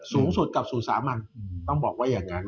สูงสุดกับสู่สามัญต้องบอกว่าอย่างนั้น